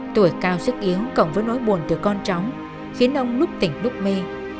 tuổi cao sức yếu cộng với nỗi buồn từ con tróng khiến ông lúc tỉnh lúc mê